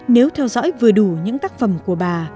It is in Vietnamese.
nếu theo dõi vừa đủ những tác phẩm của bà